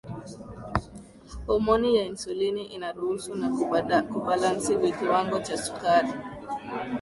homoni ya insulini inaruhusu na kubalansi kiwango cha sukari